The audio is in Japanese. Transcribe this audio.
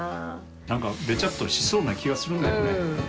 何かベチャっとしそうな気はするんだけどね。